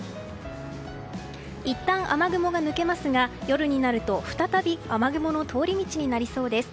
いったん雨雲が抜けますが夜になると再び雨雲の通り道になりそうです。